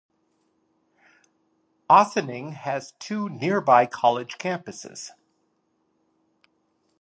Ossining has two nearby college campuses.